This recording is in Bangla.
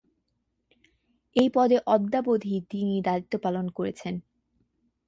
এ পদে অদ্যাবধি তিনি দায়িত্ব পালন করছেন।